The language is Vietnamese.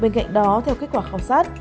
bên cạnh đó theo kết quả khảo sát